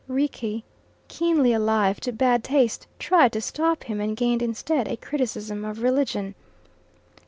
Rickie, keenly alive to bad taste, tried to stop him, and gained instead a criticism of religion.